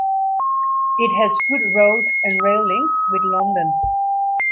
It has good road and rail links with London.